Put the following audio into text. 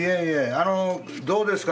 あのどうですか？